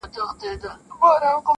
• په دې وطن کي دا څه قیامت دی -